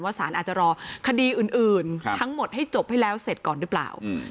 สารอาจจะรอคดีอื่นทั้งหมดให้จบให้แล้วเสร็จก่อนหรือเปล่า